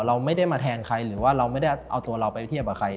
เราไม่ได้มาแทนใครหรือว่าเราไม่ได้เอาตัวเราไปเทียบกับใคร